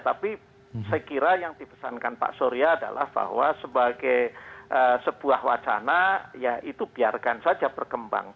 tapi saya kira yang dipesankan pak surya adalah bahwa sebagai sebuah wacana ya itu biarkan saja berkembang